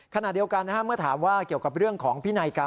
ขณะเดียวกันเมื่อถามว่าเกี่ยวกับเรื่องของพินัยกรรม